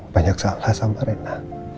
banyak salah sama rena